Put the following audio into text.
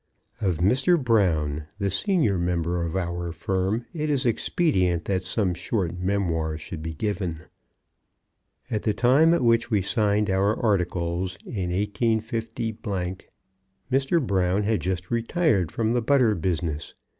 Of Mr. Brown, the senior member of our firm, it is expedient that some short memoir should be given. At the time at which we signed our articles in 185 , Mr. Brown had just retired from the butter business.